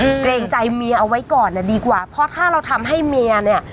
เกรงใจเมียเอาไว้ก่อนเนี่ยดีกว่าเพราะถ้าเราทำให้เมียเนี้ย